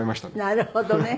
なるほどね。